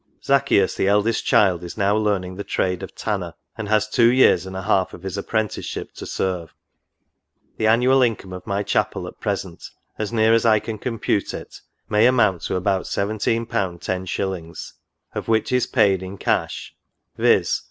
Zaccheus, the eldest child, is now learning the trade of tanner, and has two years and a half of his apprenticeship to serve. The annual income of my chapel at present, as near as I can compute it, may amount to about 171' lOs. of which is paid in cash, viz.